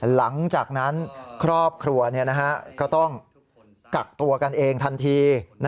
หลังจากนั้นครอบครัวก็ต้องกักตัวกันเองทันที